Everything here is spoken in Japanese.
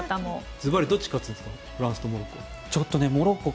ずばりどちらが勝つんですかフランスとモロッコは。